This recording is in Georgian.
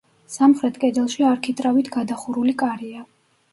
სამხრეთ კედელში არქიტრავით გადახურული კარია.